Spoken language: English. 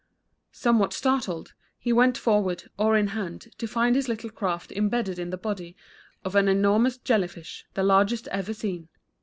Somewhat startled, he went forward, oar in hand, to find his little craft imbedded in the body of an enormous jelly fish, the largest ever seen.